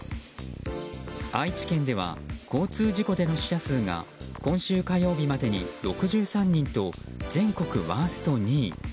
愛知県では交通事故での死者数が今週火曜日までに６３人と全国ワースト２位。